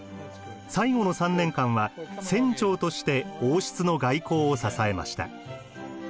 最後の３年間は船長として王室の外交を支えました。